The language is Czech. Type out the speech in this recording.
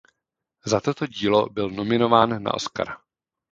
Za toto dílo byl nominován na Oscara.